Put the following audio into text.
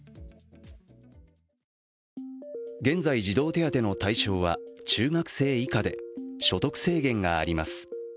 現在、児童手当の対象は中学生以下で、所得制限があります。